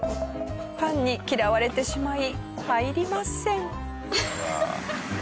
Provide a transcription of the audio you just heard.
パンに嫌われてしまい入りません。